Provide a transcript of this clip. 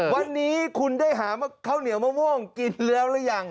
วันนี้คุณได้หาข้าวเหนียวมะม่วงกินแล้วหรือยัง